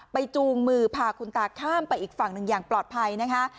จูงมือพาคุณตาข้ามไปอีกฝั่งหนึ่งอย่างปลอดภัยนะคะ